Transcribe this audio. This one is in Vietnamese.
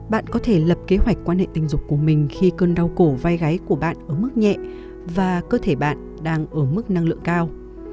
bạn có thể lập kế hoạch quan hệ tình dục của mình khi cơn đau cổ vai gáy của bạn ở mức nhẹ và cơ thể bạn đang ở mức năng lượng cao